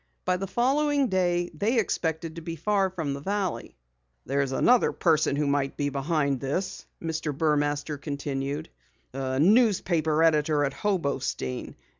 By the following day they expected to be far from the valley. "There's another person who might be behind this," Mr. Burmaster continued. "A newspaper editor at Hobostein.